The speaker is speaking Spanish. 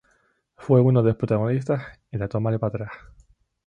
Fue uno de los protagonistas en la toma de Patras.